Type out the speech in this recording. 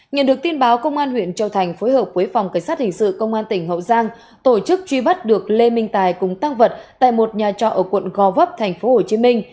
nhận được tin báo công an huyện châu thành phối hợp với phòng cảnh sát hình sự công an tỉnh hậu giang tổ chức truy bắt được lê minh tài cùng tăng vật tại một nhà trọ ở quận gò vấp tp hcm